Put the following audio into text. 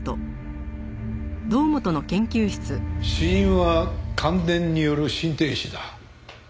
死因は感電による心停止だ。